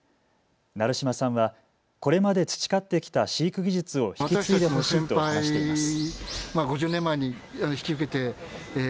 成島さんはこれまで培ってきた飼育技術を引き継いでほしいと話しています。